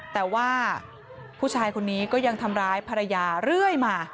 แต่ว่าผู้ชายคนนี้ก็ยังทำร้ายภรรยาเรื่อยมา